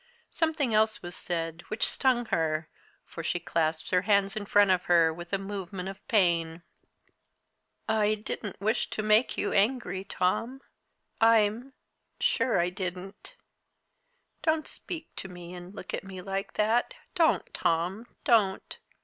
Something else was said, which stung her, for she clasped her hands in front of her, with a movement of pain. "I didn't wish to make you angry, Tom I'm sure I didn't. Don't speak to me and look at me like that, don't, Tom, don't!